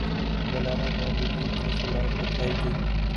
مو لانا مودودی کے خلاف اٹھائی گی۔